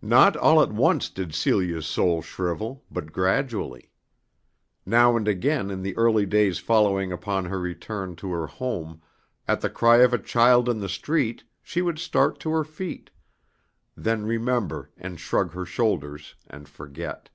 Not all at once did Celia's soul shrivel but gradually. Now and again in the early days following upon her return to her home, at the cry of a child in the street, she would start to her feet, then remember and shrug her shoulders and forget.